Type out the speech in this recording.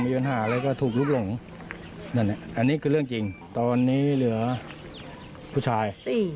มีปัญหาแล้วก็ถูกลุกหลงอันนี้คือเรื่องจริงตอนนี้เหลือผู้ชาย